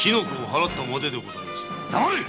黙れ！